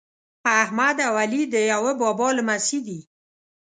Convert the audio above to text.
احمد او علي د یوه بابا لمسي دي.